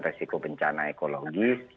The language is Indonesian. resiko bencana ekologis